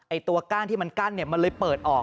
ตัวก้านที่มันกั้นมันเลยเปิดออก